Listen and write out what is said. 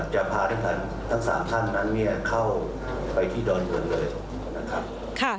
จะพาทั้ง๓ท่านเข้าไปที่ดอนเตือนเลยนะครับ